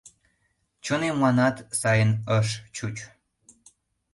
Чонемланат сайын ыш чуч.